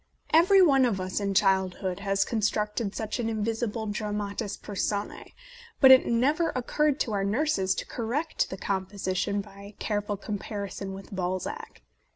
Every one of us in childhood has constructed such an invisible dramatis personcv, but it never oc curred to our nurses to correct the compo sition by careful comparison with Balzac.